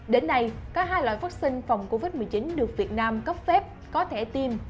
đến nay có hai loại vaccine phòng covid một mươi chín được việt nam cấp phép có thể tiêm